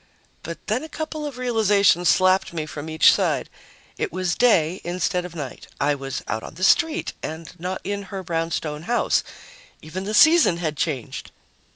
But then a couple of realizations slapped me from each side. It was day instead of night. I was out on the street and not in her brownstone house. Even the season had changed!